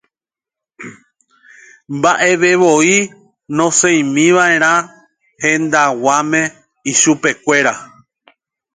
mba'evevoi nosẽimiva'erã hendag̃uáme ichupekuéra.